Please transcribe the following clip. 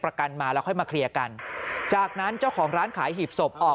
ประกันมาแล้วค่อยมาเคลียร์กันจากนั้นเจ้าของร้านขายหีบศพออก